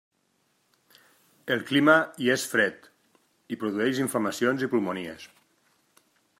El clima hi és fred, i produeix inflamacions i pulmonies.